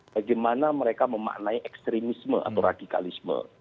bagaimana mereka memaknai ekstremisme atau radikalisme